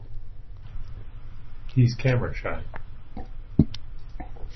He's camera shy.